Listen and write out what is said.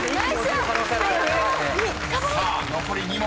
［さあ残り２問。